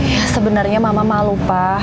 ya sebenarnya mama malu pa